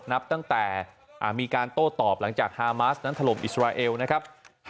นับตั้งแต่มีการโต้ตอบหลังจากฮามาสนั้นถล่มอิสราเอลนะครับ